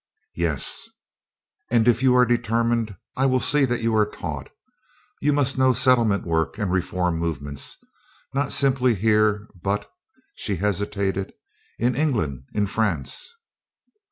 "Yes." "And if you are determined I will see that you are taught. You must know settlement work and reform movements; not simply here but " she hesitated "in England in France."